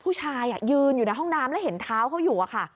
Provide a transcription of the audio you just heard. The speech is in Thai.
ผู้ชายยืนอยู่ในห้องน้ำแล้วเห็นเท้าเขาอยู่อะค่ะ